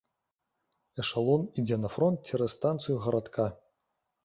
Эшалон ідзе на фронт цераз станцыю гарадка.